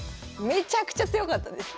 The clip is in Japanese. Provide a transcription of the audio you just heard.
めちゃくちゃ強かったです。